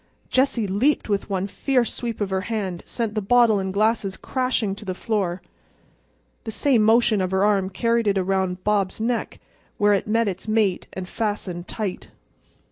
Jessie leaped and with one fierce sweep of her hand sent the bottle and glasses crashing to the floor. The same motion of her arm carried it around Bob's neck, where it met its mate and fastened tight.